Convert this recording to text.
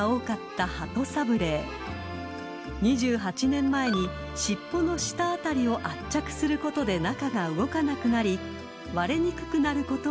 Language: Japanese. ［２８年前に尻尾の下辺りを圧着することで中が動かなくなり割れにくくなることを発明したんです］